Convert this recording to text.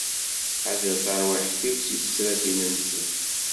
Ḥader tarwiḥt-iw si tesrafin-nsen.